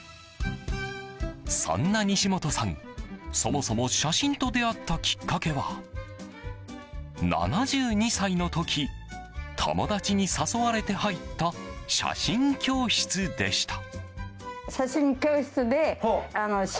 そんな西本さん、そもそも写真と出会ったきっかけは７２歳の時、友達に誘われて入った写真教室でした。